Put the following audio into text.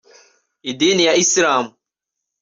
idini ya Islam